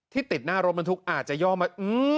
ที่ติดหน้ารมนทุกอาจจะย่อมา